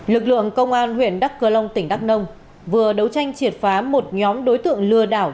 lực lượng công an huyện đắc cơ long tỉnh đắk nông vừa đấu tranh triệt phá một nhóm đối tượng lừa đảo